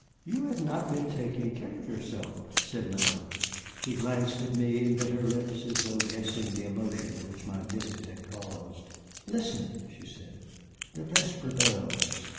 "You have not been taking care of yourself," said Madame. She glanced at me, and bit her lips, as though guessing the emotion which my visit had caused. "Listen," she said, "the vesper bells!